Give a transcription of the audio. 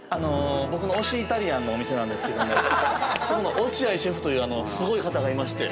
◆僕の推しイタリアンのお店なんですけどもそこの落合シェフというすごい方がいまして。